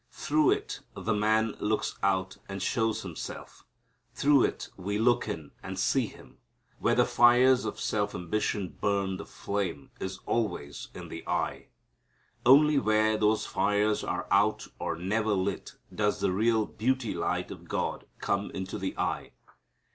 Through it the man looks out and shows himself. Through it we look in and see him. Where the fires of self ambition burn the flame is always in the eye. Only where those fires are out or never lit does the real beauty light of God come into the eye.